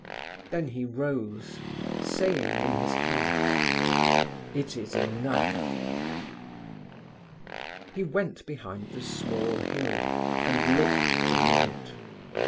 Then he rose, saying in his heart, "It is enough," He went behind the small hill, and looked at the night.